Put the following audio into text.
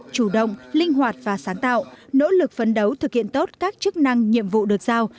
chủ động linh hoạt và sáng tạo nỗ lực phấn đấu thực hiện tốt các chức năng nhiệm vụ được giao